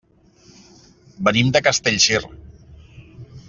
Venim de Castellcir.